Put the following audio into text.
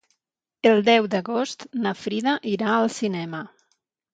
El deu d'agost na Frida irà al cinema.